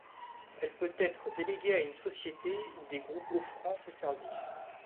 Elle peut être déléguée à une société ou des groupes offrant ces services.